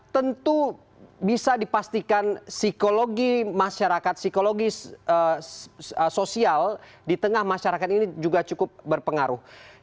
tentu bisa dipastikan psikologi masyarakat psikolog sosial di tengah masyarakat ini juga cukup berpengaruh